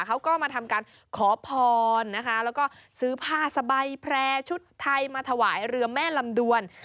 เขาก็มาทำการขอพรนะคะแล้วก็ซื้อผ้าสบายแพร่ชุดไทยมาถวายเรือแม่ลำดวน